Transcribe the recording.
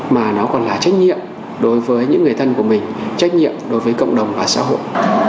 mà nó còn là trách nhiệm đối với những người thân của mình trách nhiệm đối với cộng đồng và xã hội